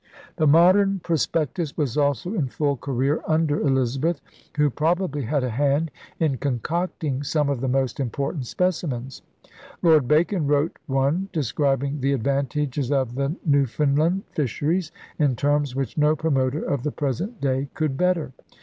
The modern prospectus was also in full career under Elizabeth, who probably had a hand in concocting some of the most important specimens. Lord Bacon wrote one describing the advantages of the Newfoundland fisheries in terms which no promoter of the present day could better.